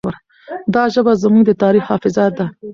دا ژبه زموږ د تاریخ حافظه ده.